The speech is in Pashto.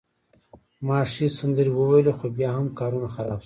ما ښې سندرې وویلي، خو بیا هم کارونه خراب شول.